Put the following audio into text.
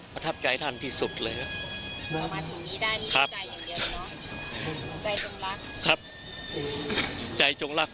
พันธับใจท่านที่สุดเลยครับมาถึงนี้ได้น๑๙๖๕ดิเนาะครับ